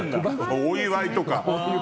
お祝いとか。